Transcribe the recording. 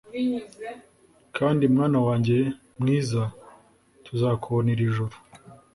Kandi Mwana wanjye mwiza tuzakubona iri joro